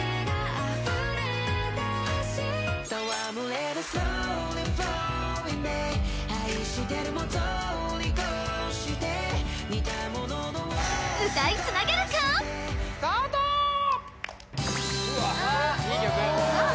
あっいい曲さあ